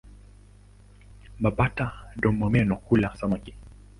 Mabata-domomeno hula samaki.